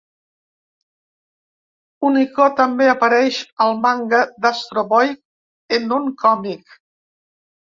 Unico també apareix al manga d'Astro Boy en un còmic.